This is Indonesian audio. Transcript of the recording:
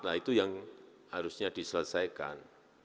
nah itu yang harusnya diselesaikan